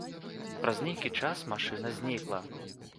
Праз нейкі час машына знікла.